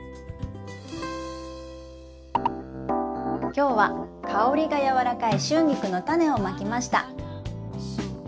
「きょうは香りがやわらかいシュンギクのタネをまきました！